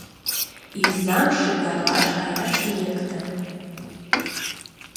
— Изам шӱгарлаш каяш лектын.